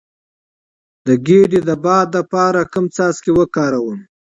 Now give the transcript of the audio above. د ګیډې د باد لپاره کوم څاڅکي وکاروم؟